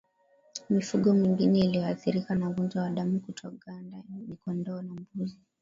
Mifugo mingine inayoathirika na ugonjwa wa damu kutoganda ni kondoo na mbuzi